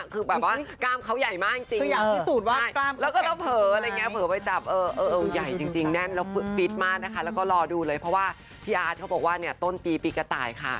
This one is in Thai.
ครั้งนี้เป็นครั้งแรกที่แจ๊กกะรีนจับแบบจับ